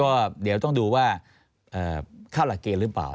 ก็เดี๋ยวต้องดูว่าเข้าหลักเกณฑ์หรือเปล่า